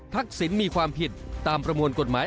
ทักษิณมีความผิดตามประมวลกฎหมาย